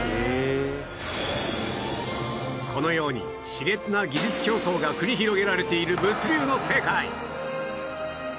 このように熾烈な技術競争が繰り広げられている物流の世界